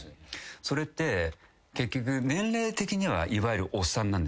それって結局年齢的にはいわゆるおっさんなんですよ。